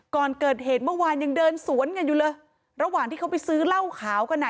ก่อนเกิดเหตุเมื่อวานยังเดินสวนกันอยู่เลยระหว่างที่เขาไปซื้อเหล้าขาวกันอ่ะ